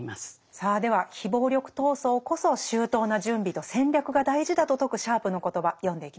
さあでは非暴力闘争こそ周到な準備と戦略が大事だと説くシャープの言葉読んでいきましょう。